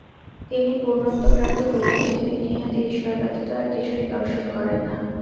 যিনি পূর্ণত্ব প্রাপ্ত হইয়াছেন, তিনি ইহাতে ঈশ্বর ব্যতীত আর কিছুই দর্শন করেন না।